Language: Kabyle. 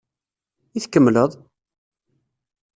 I tkemmleḍ?